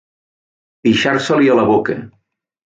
Pixar-se-li a la boca.